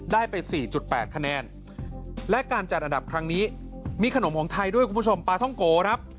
ได้ไป๔๘คะแนนและการจัดอันดับครั้งนี้มีขนมของไทยด้วยคุณผู้ชมปลาท่องโกครับ